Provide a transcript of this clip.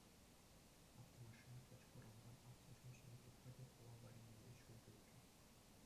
Автомашина пӗчӗк урамран аслӑ ҫул ҫине тухрӗ те хула варринелле ҫул тытрӗ.